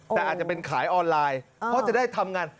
แต่อาจจะเป็นขายออนไลน์เพราะจะได้ทำงาน